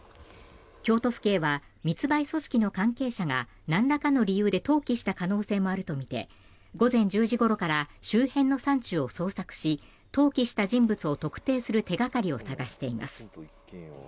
京都府警は密売組織の関係者がなんらかの理由で投棄した可能性もあるとみて午前１０時ごろから周辺の山中を捜索し投棄した人物を特定する手掛かりを探しています。